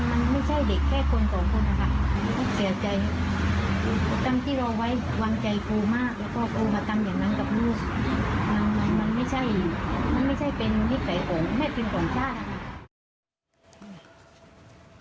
มันมันไม่ใช่มันไม่ใช่เป็นที่ใส่โอ้งแม่พิมพ์ของชาตินะครับ